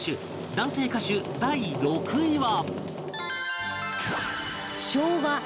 男性歌手第６位は